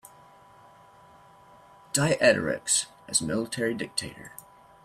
Dieterichs, as military dictator.